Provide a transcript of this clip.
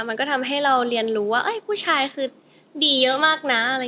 มันก็ทำให้เราเรียนรู้ว่าผู้ชายคือดีเยอะมากนะ